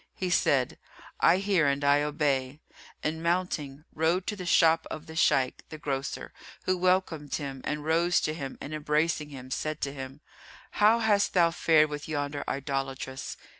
He said, "I hear and I obey," and mounting, rode to the shop of the Shaykh, the grocer, who welcomed him and rose to him and embracing him said to him, "How hast thou fared with yonder idolatress?"